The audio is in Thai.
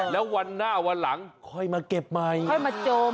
แล้ววันหน้าวันหลังค่อยมาเก็บใหม่